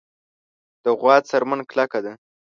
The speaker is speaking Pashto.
د غوا څرمن کلکه ده.